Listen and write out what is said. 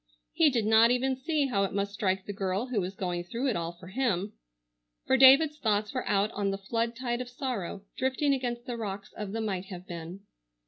He did not even see how it must strike the girl who was going through it all for him, for David's thoughts were out on the flood tide of sorrow, drifting against the rocks of the might have been.